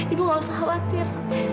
ibu nggak usah khawatir